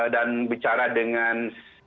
dan bicara dengan